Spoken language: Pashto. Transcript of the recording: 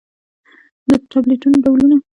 د ټابليټنو ډولونه: